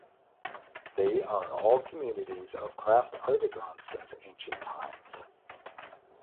They are all communities of craft artisans since ancient times.